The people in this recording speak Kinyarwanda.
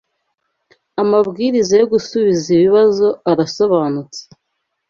Amabwiriza yo gusubiza ibibazo arasobanutse